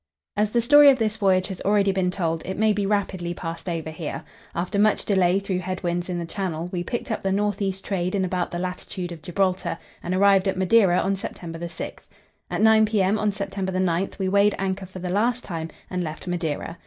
As the story of this voyage has already been told, it may be rapidly passed over here. After much delay through headwinds in the Channel, we picked up the north east trade in about the latitude of Gibraltar, and arrived at Madeira on September 6. At 9 p.m. on September 9 we weighed anchor for the last time, and left Madeira.